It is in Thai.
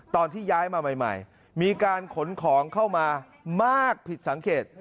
ตอนที่ย้ายมาใหม่มีการขนของเข้ามามากผิดสังเกต